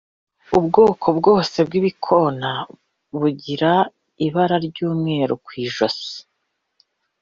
ubwoko bwose bw’ibikona bugira ibara ry’umweru ku ijosi,